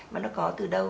mà nó có từ đâu